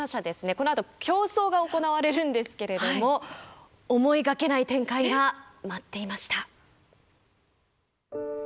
このあと競争が行われるんですけれども思いがけない展開が待っていました。